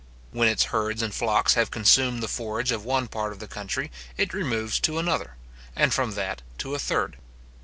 When its herds and flocks have consumed the forage of one part of the country, it removes to another, and from that to a third.